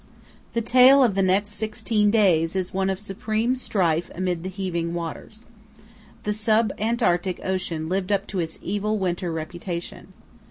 The tale of the next sixteen days is one of supreme strife amid heaving waters. The sub Antarctic Ocean lived up to its evil winter reputation.